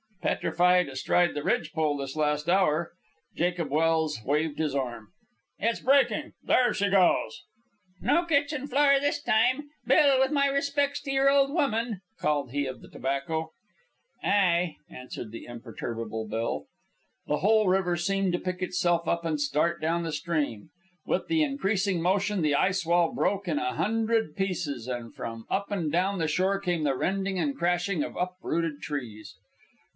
"Petrified astride the ridge pole this last hour." Jacob Welse waved his arm. "It's breaking! There she goes!" "No kitchen floor this time. Bill, with my respects to your old woman," called he of the tobacco. "Ay," answered the imperturbable Bill. The whole river seemed to pick itself up and start down the stream. With the increasing motion the ice wall broke in a hundred places, and from up and down the shore came the rending and crashing of uprooted trees.